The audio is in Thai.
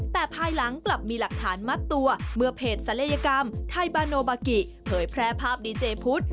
แต่ภายหลังกลับมีหลักฐานมัดตัวเมื่อเพจศัลยกรรมไทยบาโนบากิเผยแพร่ภาพดีเจพุทธ